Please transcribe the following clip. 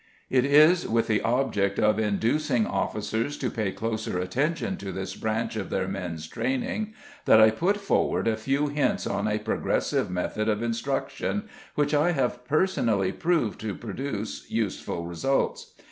It is with the object of inducing officers to pay closer attention to this branch of their men's training, that I put forward a few hints on a progressive method of instruction, which I have personally proved to produce useful results.